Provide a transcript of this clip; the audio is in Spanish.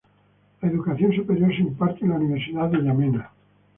La educación superior se imparte en la Universidad de Yamena.